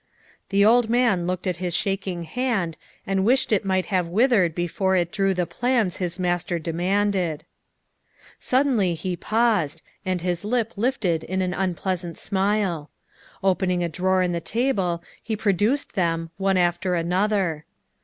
The old man looked at his shaking hand and wished it might have withered before it drew the plans his master demanded. Suddenly he paused, and his lip lifted in an unpleas ant smile. Opening a drawer in the table he produced them, one after another.